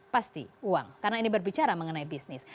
pasti uang karena ini berbicara mengenai bisnis